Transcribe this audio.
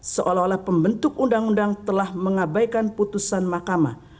seolah olah pembentuk undang undang telah mengabaikan putusan mahkamah